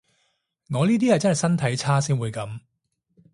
我呢啲係真係身體差先會噉